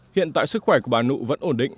hiện tại sức khỏe của bà nụ vẫn ổn định